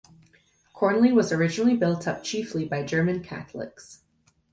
Cornlea was originally built up chiefly by German Catholics.